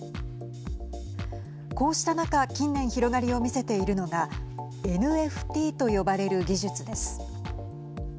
こうした中近年広がりを見せているのがＮＦＴと呼ばれる技術です。